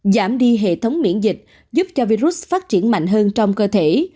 giảm đi hệ thống miễn dịch giúp cho virus phát triển mạnh hơn trong cơ thể